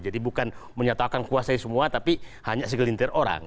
jadi bukan menyatakan kuasai semua tapi hanya segelintir orang